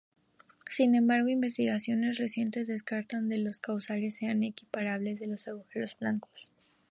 Sin embargo, investigaciones recientes descartan que los cuásares sean equiparables a los agujeros blancos.